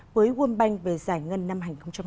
với quân banh về giải ngân năm hai nghìn hai mươi